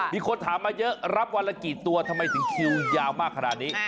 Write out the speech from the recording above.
มีคนถามมาเยอะรับวันละกี่ตัวทำไมถึงคิวยาวมากขนาดนี้